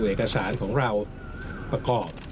เอกสารของเราประกอบ